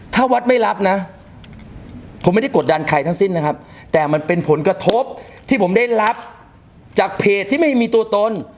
ถ้าวัดไม่รับนะผมไม่ได้กดดันใครทั้งสิ้นนะครับแต่มันเป็นผลกระทบที่ผมได้รับจากเพจที่ไม่มีตัวตน